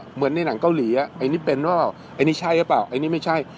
เหมือนในหนังเกาหลีอันนี้เป็นหรือเปล่าอันนี้ใช่หรือเปล่าอันนี้ไม่ใช่